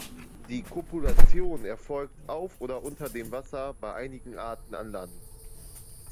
Die Kopulation erfolgt auf oder unter dem Wasser, bei einigen Arten an Land.